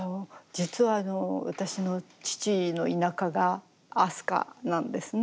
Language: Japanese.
実は私の父の田舎が明日香なんですね。